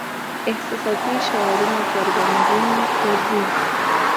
احساساتي شعارونه پر ګړنګونو ورځي.